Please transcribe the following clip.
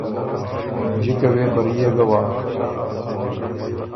جکه وې بريې ګه واک